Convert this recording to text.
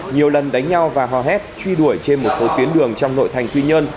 nhiều lần đánh nhau và hò hét truy đuổi trên một số tuyến đường trong nội thành quy nhơn